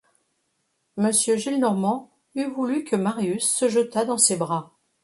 Monsieur Gillenormand eût voulu que Marius se jetât dans ses bras.